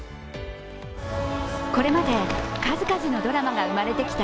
これまで数々のドラマが生まれてきた